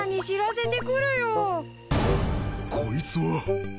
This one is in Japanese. こいつは。